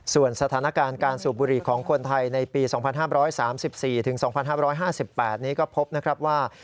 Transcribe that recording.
ส่วนสถานการณ์การสูบบุหรี่ของคนไทยในปี๒๕๓๔๒๕๕๘นี้ก็พบนะครับว่า